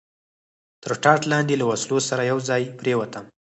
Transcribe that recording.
تر ټاټ لاندې له وسلو سره یو ځای پرېوتم.